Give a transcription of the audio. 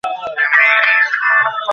এবার বর্ষা কম হওয়ায় বাঙলাদেশেও আকালের ভয়।